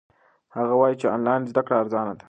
هغه وایي چې آنلاین زده کړه ارزانه ده.